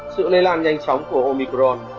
sự lây lan nhanh chóng của omicron